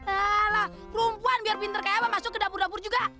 ala perempuan biar pinter kayak apa masuk ke dapur dapur juga